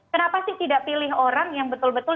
kenapa sih tidak pilih orang yang betul betul